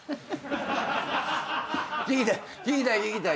聞きたい。